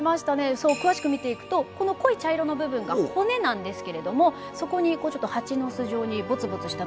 そう詳しく見ていくとこの濃い茶色の部分が骨なんですけれどもそこにこうちょっと蜂の巣状にボツボツしたもの。